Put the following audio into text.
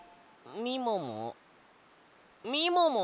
みもも？